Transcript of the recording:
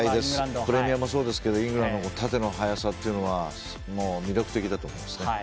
プレミアもそうですけどイングランドの縦の速さというのは魅力的だと思います。